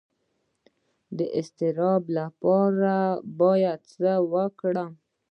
د اضطراب لپاره باید څه وکړم؟